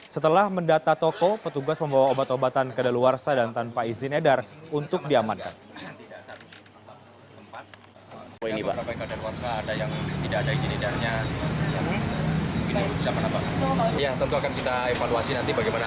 setelah mendata toko petugas membawa obat obatan kedaluarsa dan tanpa izin edar untuk diamankan